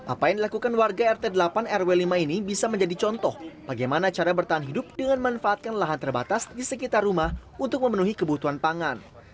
apa yang dilakukan warga rt delapan rw lima ini bisa menjadi contoh bagaimana cara bertahan hidup dengan manfaatkan lahan terbatas di sekitar rumah untuk memenuhi kebutuhan pangan